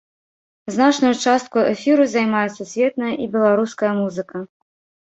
Значную частку эфіру займае сусветная і беларуская музыка.